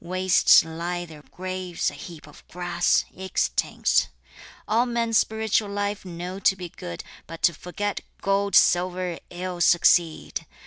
Waste lie their graves, a heap of grass, extinct. All men spiritual life know to be good, But to forget gold, silver, ill succeed!